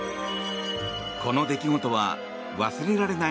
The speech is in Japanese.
この出来事は忘れられない